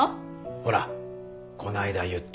ほらこの間言ったように。